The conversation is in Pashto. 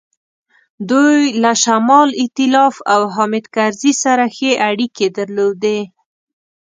دوی له شمال ایتلاف او حامد کرزي سره ښې اړیکې درلودې.